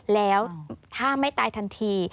แล้วถ้าไม่ตายทันที